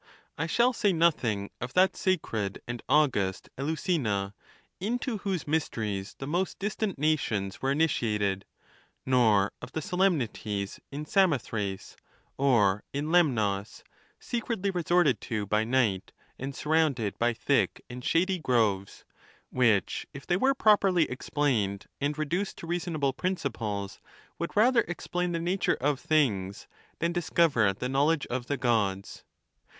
I shall say nothing of that sacred and august Eleusina, into whose mysteries the most distant nations were initi 252 THE NATURE OP THE GODS. ated, nor of the solemnities in Samothrace, or in Lemnos, secretly resorted to by night, and surrounded by thick and shady groves ; which, if they were properly explain ed, and reduced to reasonable principles, would rather ex __j)lain the nature of things than discover the knowledge of the Gods.